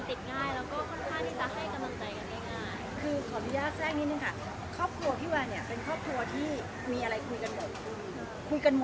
ครอบครัวพี่วันเนี่ยเป็นครอบครัวที่มีอะไรคุยกันหมด